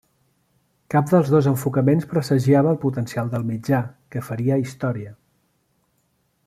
Cap dels dos enfocaments presagiava el potencial del mitjà, que faria història.